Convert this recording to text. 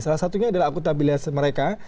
salah satunya adalah akutabilitas mereka